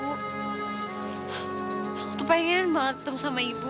aku tuh pengen banget ketemu sama ibu